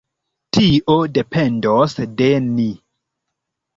Tio dependos de ni!